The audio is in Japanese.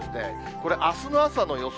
これ、あすの朝の予想